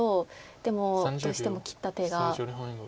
でもどうしても切った手が。